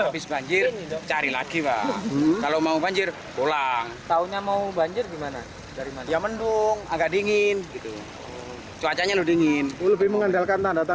pemerintah mungkin sirine atau apa